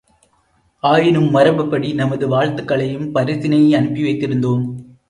ஆயினும் மரபுப்படி நமது வாழ்த்துக்களையும் பரிசினை அனுப்பிவைத்திருந்தோம்!